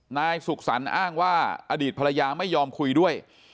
นายสุขสรรค์อ้างว่าอดีตภรรยาไม่ยอมคุยด้วย